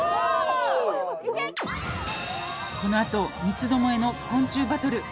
「このあと三つどもえの昆虫バトル」